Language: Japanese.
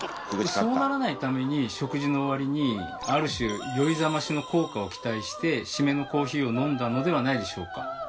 そうならないために食事の終わりにある種「酔いざまし」の効果を期待して締めのコーヒーを飲んだのではないでしょうか。